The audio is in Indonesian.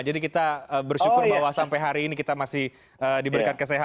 jadi kita bersyukur bahwa sampai hari ini kita masih diberikan kesehatan